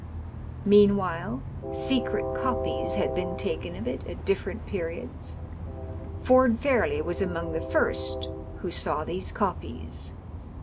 Meanwhile, secret copies had been taken of it at different periods. Ford Fairleigh was among the first who saw these copies.